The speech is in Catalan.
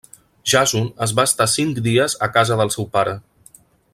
Jàson es va estar cinc dies a casa del seu pare.